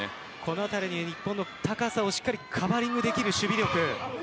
このあたり、日本の高さをカバーリングできる守備力。